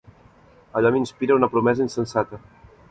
Allò m'inspira una promesa insensata.